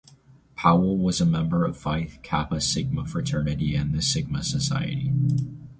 Powell was a member of Phi Kappa Sigma fraternity and the Sigma Society.